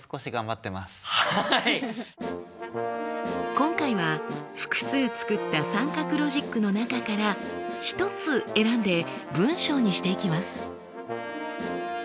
今回は複数作った三角ロジックの中から１つ選んで文章にしていきます。